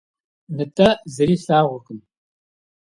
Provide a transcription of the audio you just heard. НтӀэ зыри слъагъуркъыми!